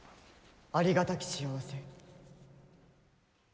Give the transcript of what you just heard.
ありがたき幸せ。